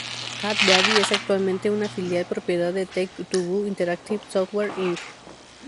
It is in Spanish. Cat Daddy es actualmente una filial propiedad de Take-Two Interactive Software, Inc.